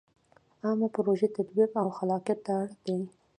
عامه پروژو تطبیق او خلاقیت ته اړ دی.